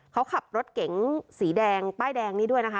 เขาขับรถเก๋งสีแดงป้ายแดงนี้ด้วยนะคะ